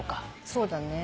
そうだね。